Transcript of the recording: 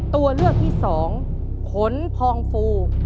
ตัวเลือกที่สองขนพองฟู